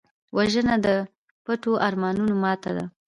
وژنه د پټو ارمانونو ماتې ده